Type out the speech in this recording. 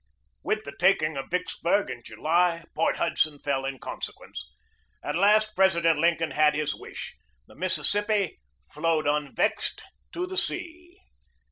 With the taking of Vicksburg in July, Port Hud son fell in consequence. At last President Lincoln PRIZE COMMISSIONER 113 had his wish. The Mississippi "flowed unvexed to the sea."